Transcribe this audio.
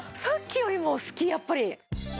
さっきよりも好きやっぱり。